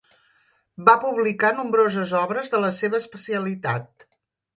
Va publicar nombroses obres de la seva especialitat.